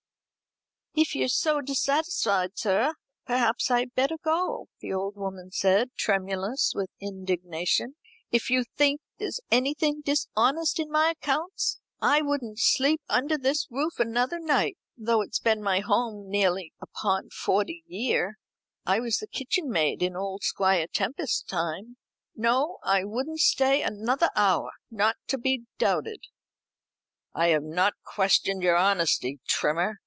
"If you're dissatisfied, sir, perhaps I'd better go," the old woman said, tremulous with indignation. "If you think there's anything dishonest in my accounts, I wouldn't sleep under this roof another night, though it's been my home near upon forty year I was kitchen maid in old Squire Tempest's time no, I wouldn't stay another hour not to be doubted." "I have not questioned your honesty, Trimmer.